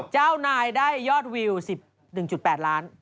เจ้านายได้ยอดวิว๑๑๘ล้าน